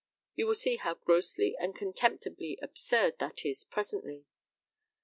You will see how grossly and contemptibly absurd that is presently.